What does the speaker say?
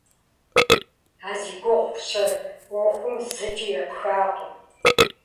А зи гугъу фщӏыр ӏуэхум зыкӏи епхакъым.